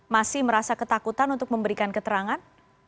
masih merasa ketakutan untuk memberikan keterangan